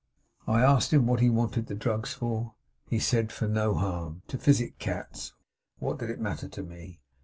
'I asked him what he wanted the drugs for? He said for no harm; to physic cats; what did it matter to me?